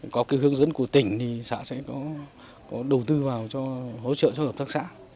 có cái hướng dẫn của tỉnh thì xã sẽ có đầu tư vào cho hỗ trợ cho hợp tác xã